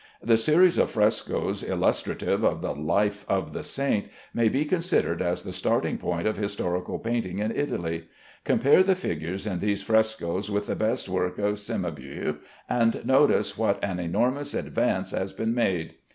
The series of frescoes illustrative of the life of the saint, may be considered as the starting point of historical painting in Italy. Compare the figures in these frescoes with the best work of Cimabue, and notice what an enormous advance has been made.